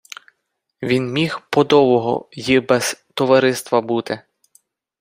Він міг подовго й без товариства бути.